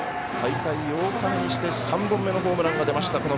大会８日目にして３本目のホームランが出ました